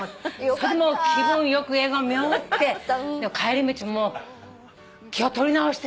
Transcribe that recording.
それでもう気分良く映画を見終わって帰り道ももう気を取り直して。